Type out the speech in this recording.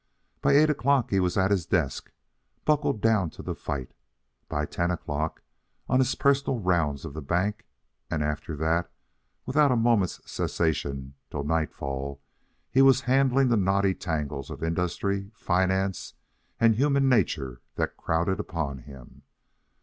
By eight o'clock he was at his desk, buckled down to the fight, by ten o'clock on his personal round of the banks, and after that, without a moment's cessation, till nightfall, he was handling the knotty tangles of industry, finance, and human nature that crowded upon him.